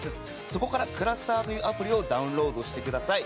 そこからｃｌｕｓｔｅｒというアプリをダウンロードしてください。